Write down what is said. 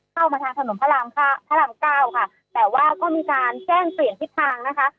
เข้ามาทางถนนพระรามพระรามเก้าค่ะแต่ว่าก็มีการแจ้งเปลี่ยนทิศทางนะคะ